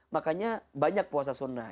makanya banyak puasa sunnah